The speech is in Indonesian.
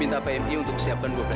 minta pmi untuk siapkan buku